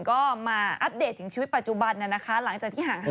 ก็มาอัปเดตถึงชีวิตปัจจุบันหลังจากที่ห่างหายเป็นหมอดู